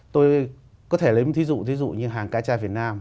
tôi có thể lấy một thí dụ như hàng ca cha việt nam